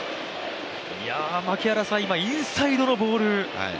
今、インサイドのボール。